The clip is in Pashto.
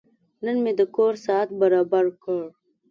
نن مې د کور ساعت برابر کړ.